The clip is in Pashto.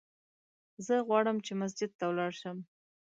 زه غواړم چې مسجد ته ولاړ سم!